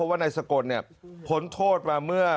เราก็ดูว่าเมื่อ